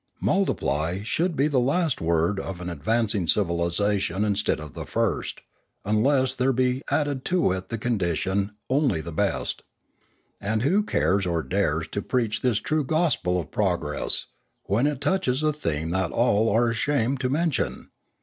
" Multiply " should be the last word of an ad vancing civilisation instead of the first, unless there be added to it the condition " only the best.,, And who cares or dares to preach this true gospel of progress, when it touches a theme that all are ashamed to men tion